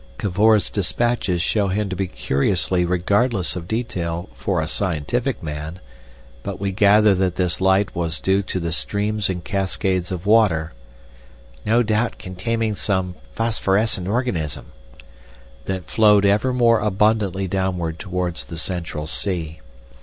Cavor's despatches show him to be curiously regardless of detail for a scientific man, but we gather that this light was due to the streams and cascades of water—"no doubt containing some phosphorescent organism"—that flowed ever more abundantly downward towards the Central Sea.